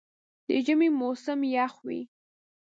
د ژمي موسم یخ وي.